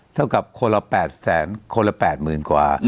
เท่ากับคนละ๘แสนคนละ๘๐๐๐กว่า